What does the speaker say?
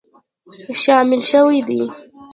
شامل شوي دي